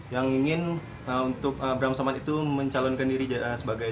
dukungan diberikan karena sosok abraham samad diharapkan mampu memberantas korupsi di semua lini